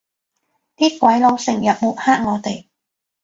啲鬼佬成日抹黑我哋